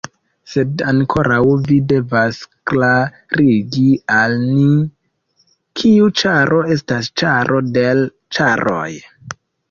Sed ankoraŭ vi devas klarigi al ni: kiu caro estas caro de l' caroj?